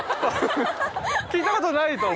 聞いたことないと。